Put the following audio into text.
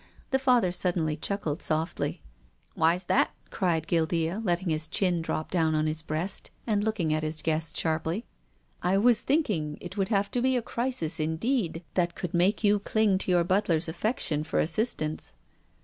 The Father suddenly chuckled softly. •• Why's that ?" cried Guildea, letting his chin drop down on his breast and looking at his guest sharply. " I was thinking it would have to be a crisis indeed that could make you cling to your butler's affection for assistance."